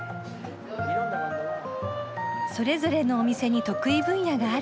それぞれのお店に得意分野があるか。